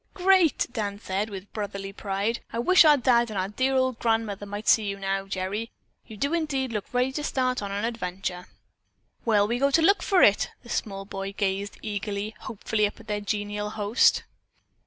"Great!" Dan said with brotherly pride. "I wish our dad and dear old grandmother might see you now, Gerry. You do indeed look ready to start on an adventure." "Where'll we go to look for it?" The small boy gazed eagerly, hopefully up at their genial host.